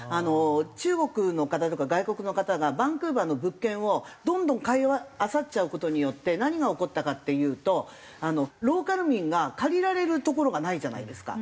中国の方とか外国の方がバンクーバーの物件をどんどん買いあさっちゃう事によって何が起こったかっていうとローカル民が借りられる所がないじゃないですか。